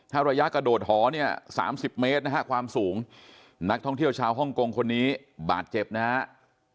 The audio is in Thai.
ถ้าระยะกระโดดหอเนี่ย๓๐เมตรนะฮะความสูงนักท่องเที่ยวชาวฮ่องกงคนนี้บาดเจ็บนะครับ